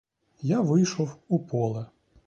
Я вийшов у поле.